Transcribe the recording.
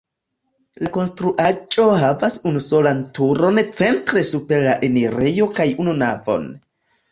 La konstruaĵo havas unusolan turon centre super la enirejo kaj unu navon.